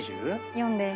４です。